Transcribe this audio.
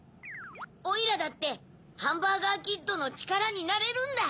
おいらだってハンバーガーキッドのちからになれるんだ！